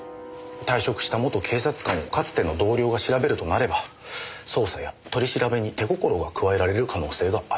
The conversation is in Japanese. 退職した元警察官をかつての同僚が調べるとなれば捜査や取り調べに手心が加えられる可能性がある。